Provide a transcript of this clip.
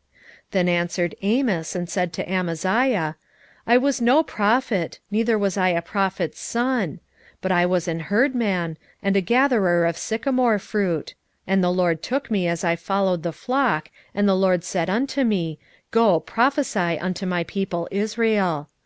7:14 Then answered Amos, and said to Amaziah, I was no prophet, neither was I a prophet's son; but I was an herdman, and a gatherer of sycomore fruit: 7:15 And the LORD took me as I followed the flock, and the LORD said unto me, Go, prophesy unto my people Israel.